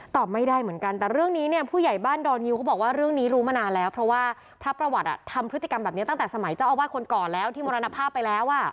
ไม่ได้เหมือนกันแต่เรื่องนี้เนี่ยผู้ใหญ่บ้านดอนฮิวเขาบอกว่าเรื่องนี้รู้มานานแล้วเพราะว่าพระประวัติทำพฤติกรรมแบบนี้ตั้งแต่สมัยเจ้าอาวาสคนก่อนแล้วที่มรณภาพไปแล้ว